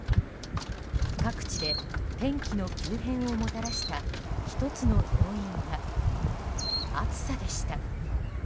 各地で天気の急変をもたらした１つの要因が、暑さでした。